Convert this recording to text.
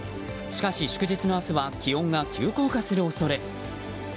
しかし、祝日の明日は気温が急降下する恐れ。